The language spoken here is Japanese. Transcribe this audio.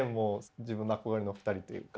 自分の憧れの２人というか。